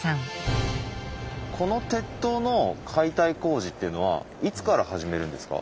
この鉄塔の解体工事っていうのはいつから始めるんですか？